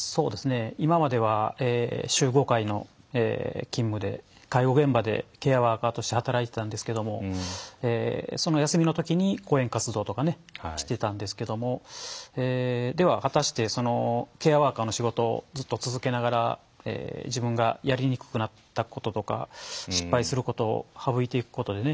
今までは週５回の勤務で介護現場でケアワーカーとして働いていたんですけどもその休みの時に講演活動とかねしてたんですけどもでは果たしてケアワーカーの仕事をずっと続けながら自分がやりにくくなったこととか失敗することを省いていくことでね